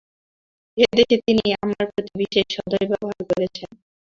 এ দেশে তিনি আমার প্রতি বিশেষ সদয় ব্যবহার করিয়াছেন।